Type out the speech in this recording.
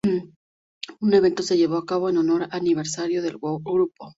Un evento se llevó a cabo en honor a el aniversario del grupo.